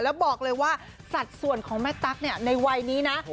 แล้วบอกเลยว่าสัดส่วนของแม่ตั๊กเนี่ยในวัยนี้นะ